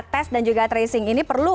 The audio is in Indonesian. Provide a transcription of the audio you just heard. tes dan juga tracing ini perlu